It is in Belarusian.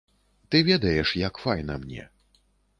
Ты ведаеш, як файна мне.